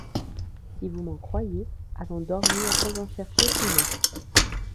Si vous m’en croyez, allons dormir sans en chercher plus long.